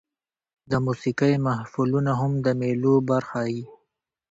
د موسیقۍ محفلونه هم د مېلو برخه يي.